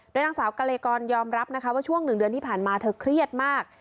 ด้วยนางสาวการละเอียกรนยอมรับว่าช่วงหนึ่งเดือนที่ผ่านมาเธอเครียดมาก